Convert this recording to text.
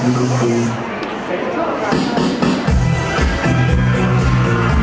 ไม่ต้องถามไม่ต้องถาม